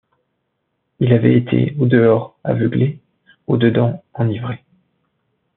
Il avait été, au dehors, aveuglé ; au dedans, enivré.